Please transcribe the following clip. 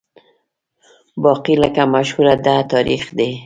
باقي لکه مشهوره ده تاریخ دی